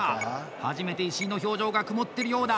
初めて石井の表情が曇っているようだ